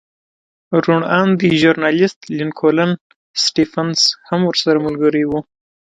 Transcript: روڼ اندی ژورنالېست لینکولن سټېفنس هم ورسره ملګری و